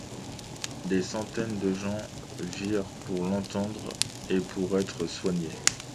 Des centaines de gens vinrent pour l’entendre et pour être soignés.